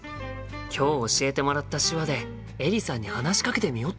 今日教えてもらった手話でエリさんに話しかけてみよっと！